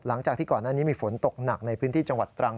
หลังจากที่ก่อนหน้านี้มีฝนตกหนักในพื้นที่จังหวัดตรัง